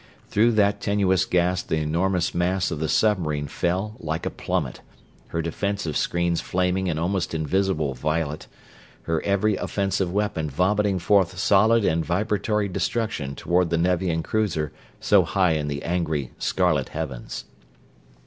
Through that tenuous gas the enormous mass of the submarine fell like a plummet, her defensive screens flaming an almost invisible violet, her every offensive weapon vomiting forth solid and vibratory destruction toward the Nevian cruiser so high in the angry, scarlet heavens.